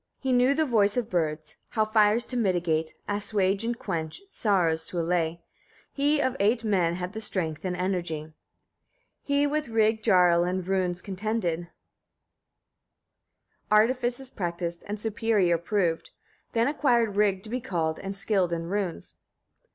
41. He knew the voice of birds, how fires to mitigate, assuage and quench; sorrows to allay. He of eight men had the strength and energy. 42. He with Rig Jarl in runes contended, artifices practised, and superior proved; then acquired Rig to be called, and skilled in runes.